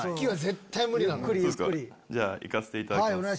じゃあ行かせていただきます。